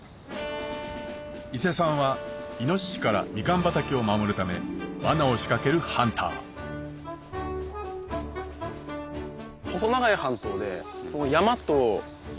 伊勢さんはイノシシからミカン畑を守るためわなを仕掛けるハンターなので。